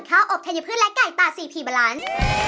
ข้าวอบเทนยพื้นและไก่ตา๔พีบรรลานซ์